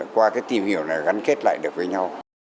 qua cái tìm hiểu này gắn kết lại được với nhau